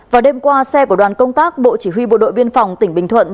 vào đêm qua xe của đoàn công tác bộ chỉ huy bộ đội biên phòng tỉnh bình thuận